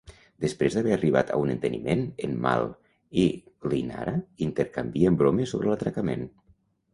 Després d'haver arribat a un enteniment, en Mal i l'Inara intercanvien bromes sobre l'atracament.